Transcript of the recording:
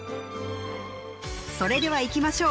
それではいきましょう